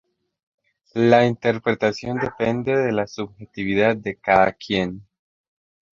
La interpretación depende de la subjetividad de cada quien.